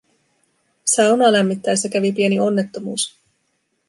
Saunaa lämmittäessä kävi pieni onnettomuus